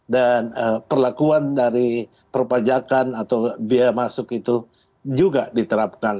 dan perlakuan dari perpajakan atau biaya masuk itu juga diterapkan dengan halal